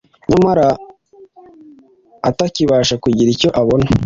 nyamara atakibasha kugira icyo abona